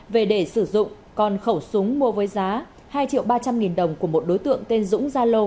về để sử dụng con khẩu súng mua với giá hai triệu ba trăm linh nghìn đồng của một đối tượng tên dũng gia lô